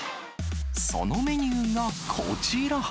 そのメニューがこちら。